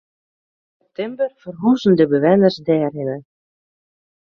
Ein septimber ferhuzen de bewenners dêrhinne.